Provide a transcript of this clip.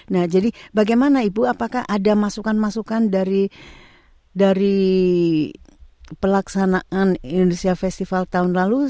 nah jadi bagaimana ibu apakah ada masukan masukan dari pelaksanaan indonesia festival tahun lalu